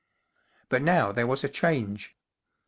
But now there was a change.